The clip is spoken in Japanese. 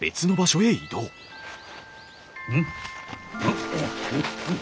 うん？